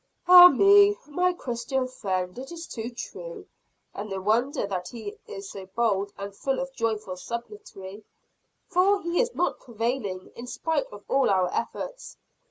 "Ah me, my Christian friend, it is too true! And no wonder that he is so bold, and full of joyful subtlety. For is he not prevailing, in spite of all our efforts?